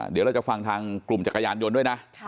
เดี๋ยวเราจะฟังทางกลุ่มจักรยานยนต์ด้วยนะ